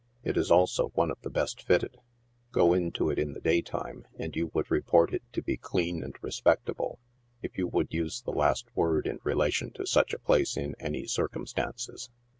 It is also one of the best fitted. Go into it in the day time, and you would report it to be clean and respect able, if you would use the last word in relation to such a place in any circumstances.